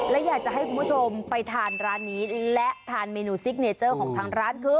และอยากจะให้คุณผู้ชมไปทานร้านนี้และทานเมนูซิกเนเจอร์ของทางร้านคือ